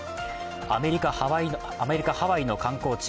アメリカ・ハワイの観光地